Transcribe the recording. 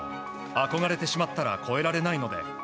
憧れてしまったら超えられないので。